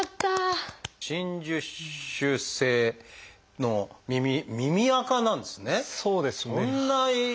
真珠腫性の耳耳あかなんですね。